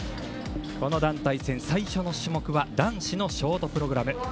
この団体戦最初の種目は男子のショートプログラム。